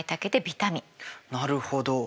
なるほど。